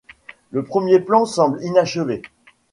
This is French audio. Le premier plan semble inachevé.